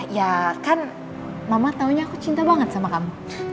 ya kan mama taunya aku cinta banget sama kamu